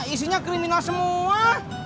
isinya kriminal semua